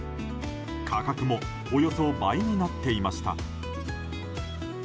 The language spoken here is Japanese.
価格もおよそ倍になっていました。